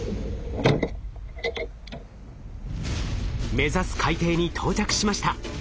目指す海底に到着しました。